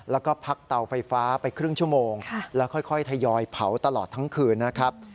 แล้วก็พักเตาไฟฟ้าไปครึ่งชั่วโมงแล้วค่อยทยอยเผาตลอดทั้งคืนนะครับ